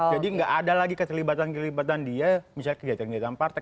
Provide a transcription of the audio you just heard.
jadi nggak ada lagi keselibatan keselibatan dia misalnya kegiatan kegiatan partai